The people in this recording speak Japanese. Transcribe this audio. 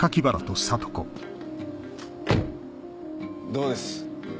どうです？